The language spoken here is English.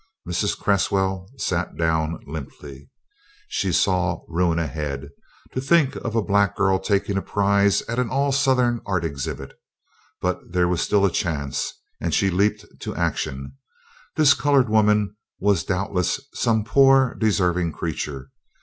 Mrs. Cresswell sat down limply. She saw ruin ahead to think of a black girl taking a prize at an all Southern art exhibit! But there was still a chance, and she leaped to action. This colored woman was doubtless some poor deserving creature.